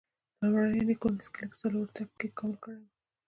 د لومړنیو نیکونو اسکلیټ په څلورو تګ کې تکامل کړی و.